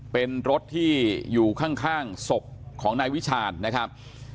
เป็นรถที่อยู่ข้างศพของนายวิชาญนะครับ